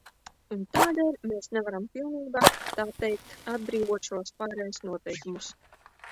Un tādēļ mēs nevaram pilnībā, tā teikt, atbrīvot šos pārejas noteikumus.